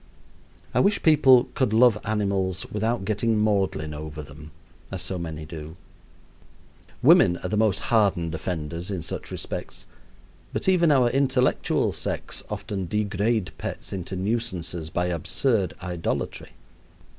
I wish people could love animals without getting maudlin over them, as so many do. Women are the most hardened offenders in such respects, but even our intellectual sex often degrade pets into nuisances by absurd idolatry.